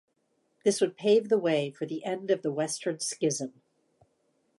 This would pave the way for the end of the Western Schism.